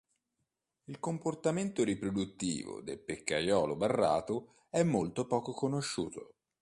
Il comportamento riproduttivo del pecchiaiolo barrato è molto poco conosciuto.